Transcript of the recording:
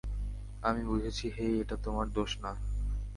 আমি বুঝেছি হেই, এটা তোমার দোষ না।